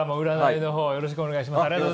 個人的によろしくお願いします。